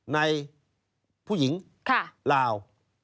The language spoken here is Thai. ในผู้หญิงลาว